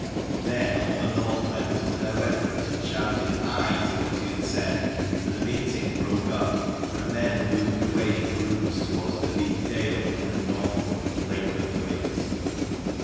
Then all the Northmen took their weapons and shouted aye to what he had said : and the meeting broke up, and men moved away in groups towards the deep dale that led northward from Legburthwaite.